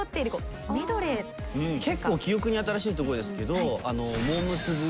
結構記憶に新しいとこですけど。